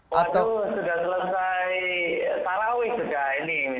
waduh sudah selesai tarawih sudah ini